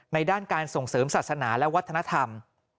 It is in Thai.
ด้านการส่งเสริมศาสนาและวัฒนธรรม